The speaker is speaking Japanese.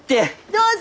どうぞ！